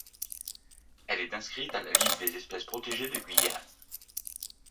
Elle est inscrite à la liste des espèces protégées de Guyane.